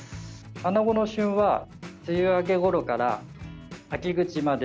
アナゴの旬は梅雨明けごろから秋口まで。